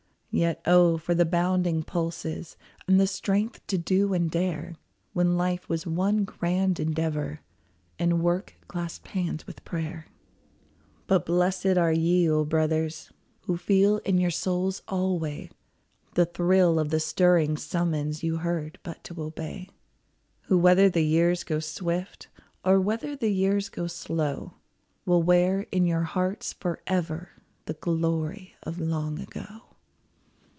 Yet, oh, for the bounding pulses. And the strength to do and dare. When life was one grand endeavor, And work clasped hands with prayer ! 134 NO MORE THE THUNDER OF CANNON But blessed are ye, O brothers, Who feel in your souls alway The thrill of the stirring summons You heard but to obey ; Who, whether the years go swift, Or whether the years go slow, Will wear in your hearts forever The glory of long ago